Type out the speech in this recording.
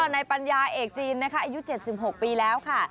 ในปัญญาเอกจีนนะคะอายุ๗๖ปีแล้วค่ะ